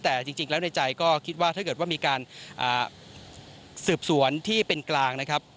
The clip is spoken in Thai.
แต่จริงแล้วในใจก็คิดว่าถ้าเกิดว่ามีการสืบสวนที่เป็นกลางนะครับ